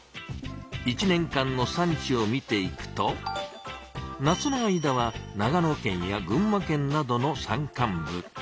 １年間の産地を見ていくと夏の間は長野県や群馬県などの山間部。